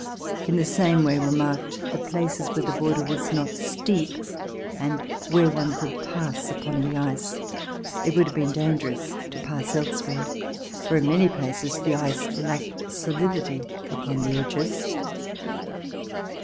In the same way were marked the places where the border was not steep and where one could pass upon the ice. It would have been dangerous to pass elsewhere, for in many places the ice lacked solidity upon the edges.